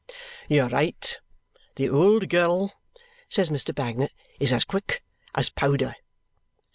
"You're right. The old girl," says Mr. Bagnet. "Is as quick. As powder."